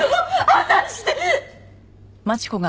離して！